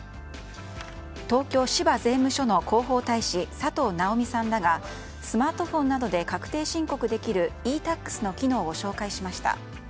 東京・芝税務署の広報大使佐藤奈緒美さんらがスマートフォンなどで確定申告できるｅ‐Ｔａｘの機能を紹介しました。